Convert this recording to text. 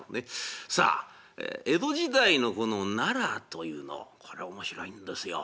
さあ江戸時代のこの奈良というのこれ面白いんですよ。